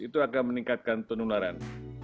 itu akan meningkatkan penularan